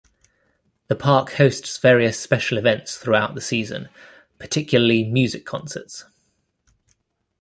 The park hosts various special events throughout the season, particularly music concerts.